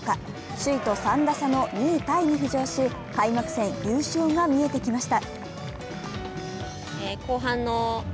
首位と３打差の２位タイに浮上し開幕戦優勝が見えてきました。